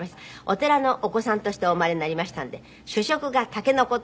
お寺のお子さんとしてお生まれになりましたので主食が竹の子。